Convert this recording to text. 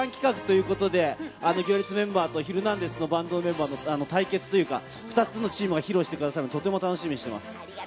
『行列』メンバーと『ヒルナンデス！』のバンドのメンバー対決というか、２つのチームが披露して下さるので、とても楽しみにしています。